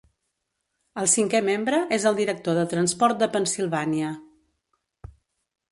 El cinquè membre és el Director de Transport de Pennsilvània.